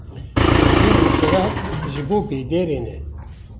bêjing û serad ji bo bêderê ne